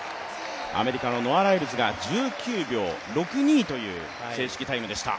アメリカのノア・ライルズが１９秒６２という正式タイムでした。